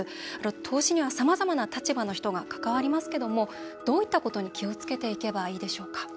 投資には、さまざまな立場の人が関わりますけどもどういったことに気を付けていけばいいでしょうか。